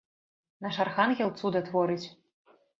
Наш архангел цуда творыць!